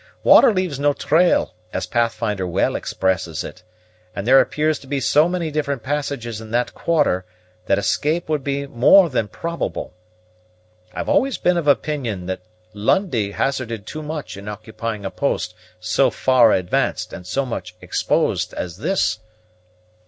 Water leaves no trail, as Pathfinder well expresses it; and there appears to be so many different passages in that quarter that escape would be more than probable. I've always been of opinion that Lundie hazarded too much in occupying a post so far advanced and so much exposed as this."